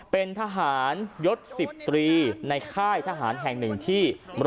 เป็นทหารยศ๑๓ในค่ายทหารแห่งหนึ่งที่๑๐๑